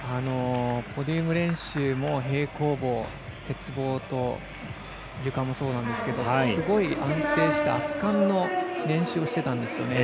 平行棒鉄棒とゆかもそうなんですけどすごい安定した圧巻の練習をしてたんですよね。